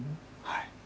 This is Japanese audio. はい。